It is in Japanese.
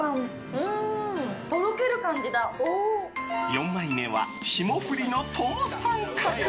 ４枚目は霜降りのトモサンカク。